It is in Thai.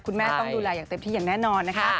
คุณแม่ต้องดูแลอย่างเต็มที่อย่างแน่นอนนะคะ